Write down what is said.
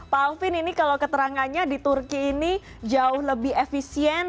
pak alvin ini kalau keterangannya di turki ini jauh lebih efisien